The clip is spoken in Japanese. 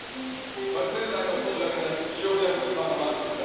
覚醒剤の所持だけでなく使用で薬物班がマークして来た。